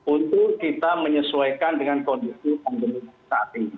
untuk kita menyesuaikan dengan kondisi pandemi saat ini